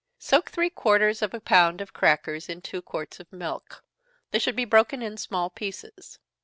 _ Soak three quarters of a pound of crackers in two quarts of milk they should be broken in small pieces.